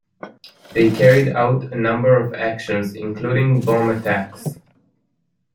They carried out a number of actions, including bomb attacks.